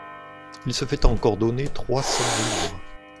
Il se fait encore donner trois cents livres.